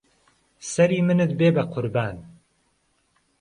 سەری منت بێ به قوربان